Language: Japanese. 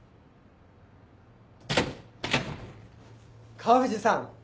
川藤さん。